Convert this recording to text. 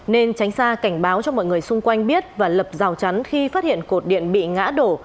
nên tránh xa cảnh báo cho mọi người xung quanh biết và lập rào chắn khi phát hiện cột điện bị ngã đổ